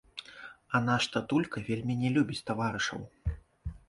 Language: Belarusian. — А наш татулька вельмі не любіць «таварышаў».